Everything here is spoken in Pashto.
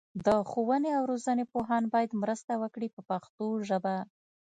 د ښوونې او روزنې پوهان باید مرسته وکړي په پښتو ژبه.